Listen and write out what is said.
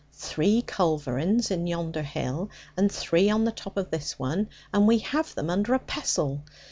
'Three culverins on yonder hill, and three on the top of this one, and we have them under a pestle.